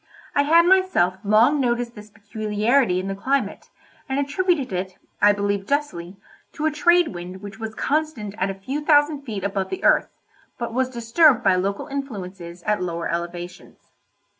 I had myself long noticed this peculiarity in the climate, and attributed it, I believe justly, to a trade wind which was constant at a few thousand feet above the earth, but was disturbed by local influences at lower elevations.